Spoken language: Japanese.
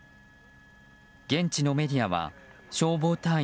現地のメディアは消防隊員